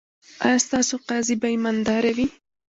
ایا ستاسو قاضي به ایماندار نه وي؟